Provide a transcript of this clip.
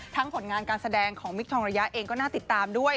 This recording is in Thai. ผลงานการแสดงของมิคทองระยะเองก็น่าติดตามด้วย